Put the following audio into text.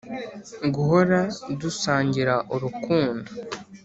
guhora dusangira urukundo